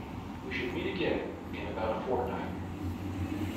We should meet again in about a fortnight